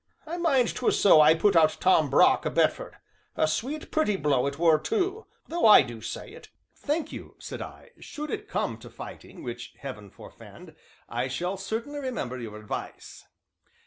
I mind 't was so I put out Tom Brock o' Bedford a sweet, pretty blow it were too, though I do say it." "Thank you!" said I; "should it come to fighting, which Heaven forfend, I shall certainly remember your advice."